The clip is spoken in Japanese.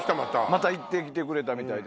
また行ってきてくれたみたいです。